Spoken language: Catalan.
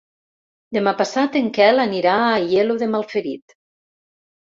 Demà passat en Quel anirà a Aielo de Malferit.